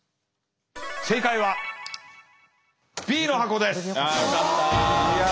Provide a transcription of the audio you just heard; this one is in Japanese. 正解はＢの箱です。